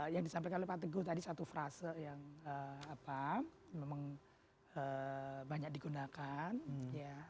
yang disampaikan oleh pak teguh tadi satu frase yang memang banyak digunakan ya